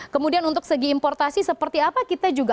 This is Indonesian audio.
kemudian untuk segi importasi seperti apa kita juga